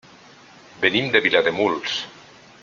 Venim de Vilademuls.